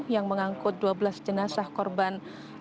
yang mengangkut dua belas jenazah korban